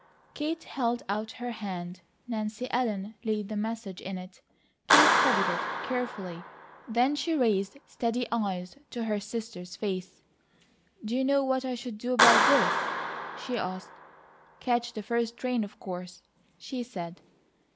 Kate held out her hand, Nancy Ellen laid the message in it. Kate studied it carefully; then she raised steady eyes to her sister's face. "Do you know what I should do about this?" she asked. "Catch the first train, of course," she said.